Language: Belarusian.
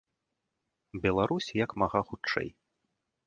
Беларусь як мага хутчэй.